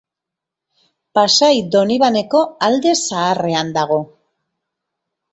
Pasai Donibaneko Alde Zaharrean dago.